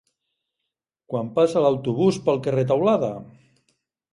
Quan passa l'autobús pel carrer Teulada?